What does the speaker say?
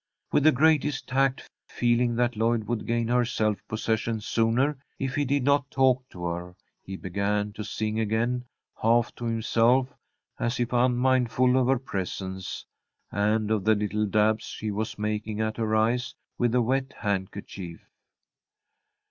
With the greatest tact, feeling that Lloyd would gain her self possession sooner if he did not talk to her, he began to sing again, half to himself, as if unmindful of her presence, and of the little dabs she was making at her eyes with a wet handkerchief.